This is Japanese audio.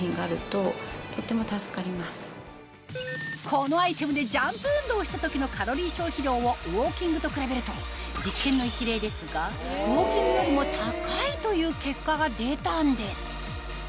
このアイテムでジャンプ運動をした時のカロリー消費量をウォーキングと比べると実験の一例ですがウォーキングよりも高いという結果が出たんです